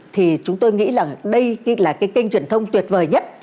thì chúng tôi nghĩ rằng đây là cái kênh truyền thông tuyệt vời nhất